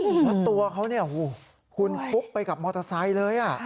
โอ้โหรถตัวเขาเนี่ยคุณคุกไปกับมอเตอร์ไซค์เลย